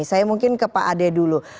saya mungkin ke pak ade dulu